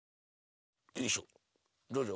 よいしょどうぞ。